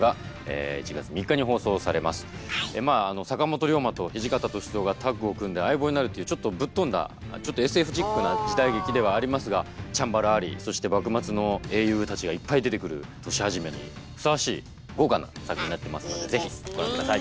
まあ坂本龍馬と土方歳三がタッグを組んで相棒になるというちょっとぶっ飛んだちょっとＳＦチックな時代劇ではありますがチャンバラありそして幕末の英雄たちがいっぱい出てくる年始めにふさわしい豪華な作品になってますので是非ご覧下さい。